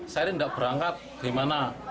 saya ini tidak berangkat gimana